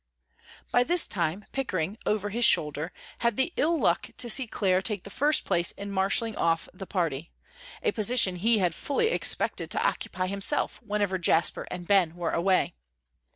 By this time, Pickering, over his shoulder, had the ill luck to see Clare take the first place in marshalling off the party, a position he had fully expected to occupy himself whenever Jasper and Ben were away.